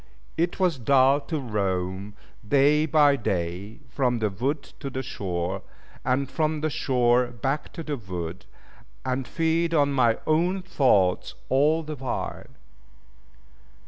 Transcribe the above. It was dull to roam, day by day, from the wood to the shore; and from the shore back to the wood, and feed on my own thoughts all the while.